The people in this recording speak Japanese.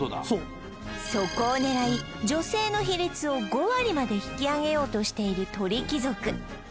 そうそこを狙い女性の比率を５割まで引き上げようとしている鳥貴族